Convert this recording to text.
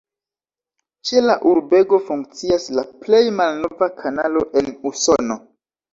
Ĉe la urbego funkcias la plej malnova kanalo en Usono.